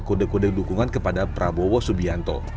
kode kode dukungan kepada prabowo subianto